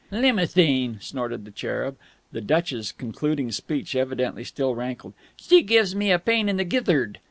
"Limouthine!" snorted the cherub. The duchess' concluding speech evidently still rankled. "She gives me a pain in the gizthard!"